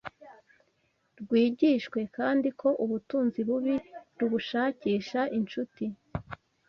rwigishwe kandi ko ubutunzi bubi rubushakisha incuti